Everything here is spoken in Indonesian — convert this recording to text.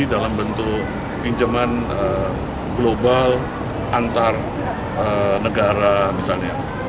dalam bentuk pinjaman global antar negara misalnya